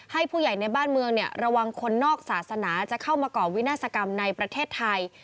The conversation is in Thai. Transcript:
ให้ผู้ใหญ่ในบ้านเมืองระวังคนนอกศาสนาจะเข้ามาก่อวินาศกรรมในประเทศไทย